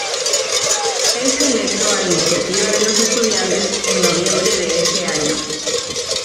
Es electo, a iniciativa de los estudiantes, en noviembre de ese año.